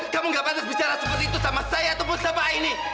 kamu gak pantas bicara seperti itu sama saya ataupun sama ini